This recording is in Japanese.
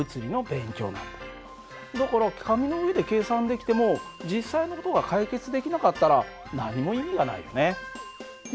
だから紙の上で計算できても実際の事が解決できなかったら何も意味がないよね。